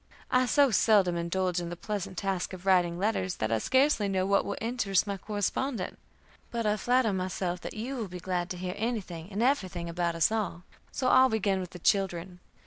I so seldom indulge in the pleasant task of writing letters that I scarcely know what will interest my correspondent, but I flatter myself that you will be glad to hear anything and everything about us all, so I'll begin with the children.